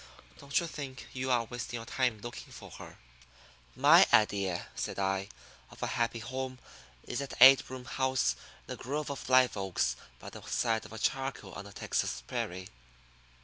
Don't you think you are wasting your time looking for her?" "My idea," said I, "of a happy home is an eight room house in a grove of live oaks by the side of a charco on a Texas prairie.